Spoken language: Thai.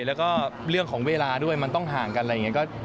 แล้วก็เรื่องของเวลาด้วยมันต้องห่างกันอะไรอย่างนี้